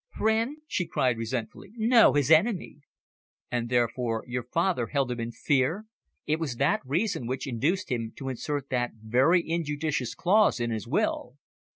"Friend!" she cried resentfully. "No, his enemy." "And therefore your father held him in fear? It was that reason which induced him to insert that very injudicious clause in his will."